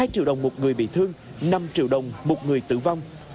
hai triệu đồng một người bị thương năm triệu đồng một người tử vong